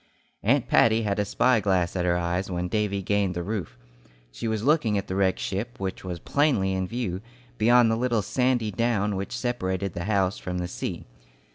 Aunt Patty had a spy glass at her eyes when Davy gained the roof. She was looking at the wrecked ship, which was plainly in view, beyond the little sandy down which separated the house from the sea.